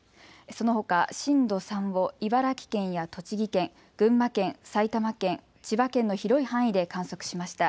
そのほか震度３を茨城県や栃木県、群馬県、埼玉県、千葉県の広い範囲で観測しました。